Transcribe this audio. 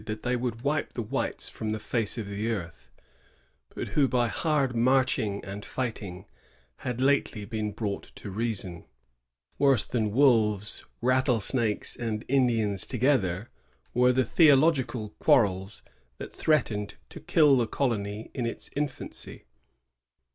[1648, that they would wipe the whites from the face of the earth, but who, by hard marching and fighting, had lately been brought to reason. Worse than wolves, rattlesnakes, and Indians together were the theologici^ quarrels that threatened to kill the colony in its infancy.